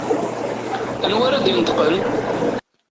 Anwa ara d-ineṭṭqen?